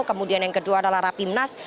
kemudian yang kedua adalah rapimnas